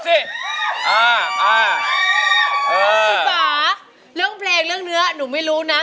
คุณป่าเรื่องเพลงเรื่องเนื้อหนูไม่รู้นะ